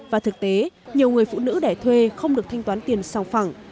và thực tế nhiều người phụ nữ đẻ thuê không được thanh toán tiền song phẳng